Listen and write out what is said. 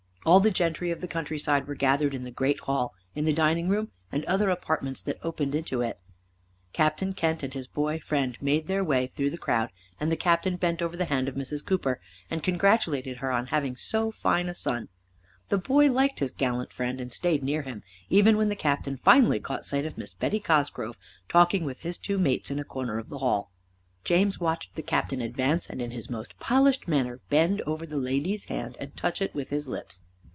All the gentry of the countryside were gathered in the great hall, in the dining room, and other apartments that opened into it. Captain Kent and his boy friend made their way through the crowd, and the Captain bent over the hand of Mrs. Cooper and congratulated her on having so fine a son. The boy liked his gallant friend and stayed near him, even when the Captain finally caught sight of Miss Betty Cosgrove talking with his two mates in a corner of the hall. James watched the Captain advance and in his most polished manner bend over the lady's hand and touch it with his lips.